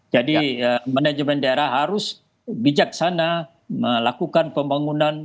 jadi manajemen daerah harus bijaksana melakukan pembangunan